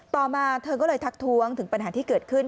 ต่อมาเธอก็เลยทักท้วงถึงปัญหาที่เกิดขึ้น